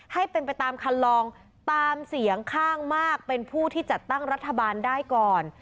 ให้เป็นไปตามคันลองตามเสียงข้างมากเป็นผู้ที่จัดตั้งรัฐบาลได้ก่อน